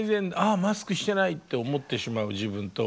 「あマスクしてない」って思ってしまう自分と。